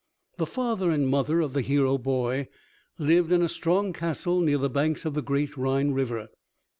The father and mother of the hero boy lived in a strong castle near the banks of the great Rhine river.